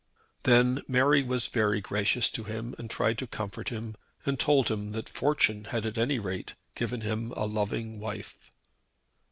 Then Mary was very gracious to him and tried to comfort him, and told him that fortune had at any rate given him a loving wife.